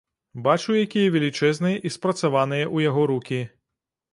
Бачу якія велічэзныя і спрацаваныя ў яго рукі.